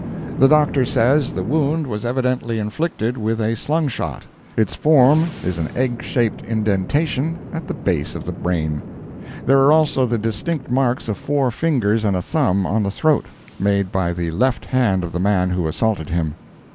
The Doctor says the wound was evidently inflicted with a slung shot. Its form is an egg shaped indentation at the base of the brain. There are also the distinct marks of four fingers and a thumb on the throat, made by the left hand of the man who assaulted him.